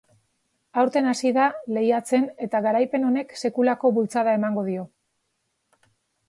Aurten hasi da lehiatzen eta garaipen honek sekulako bultzada emango dio.